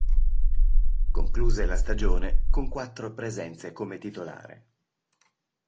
Concluse la stagione con quattro presenze come titolare.